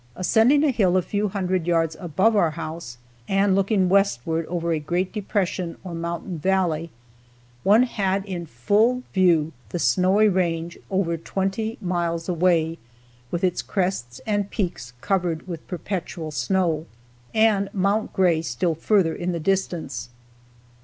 Ascending a hill a few hundred yards above our house and looking westward over a great depression or mountain valley, one had in full view the Snowy range over twenty miles away, with its crests and peaks covered with perpetual snow, and Mount Gray still further in the distance.